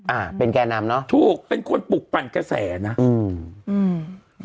อ่าเป็นแก่นำเนอะถูกเป็นคนปลุกปั่นกระแสนะอืมอืม